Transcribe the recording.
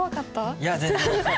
いや全然。